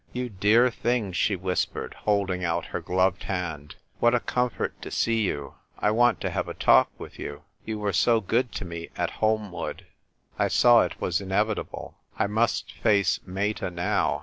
" You dear thing !" she whispered, holding out her gloved hand, "what a comfort to see you ! I want to have a talk with you. You were so good to me at Holmwood." I saw it was inevitable. I must face Meta now.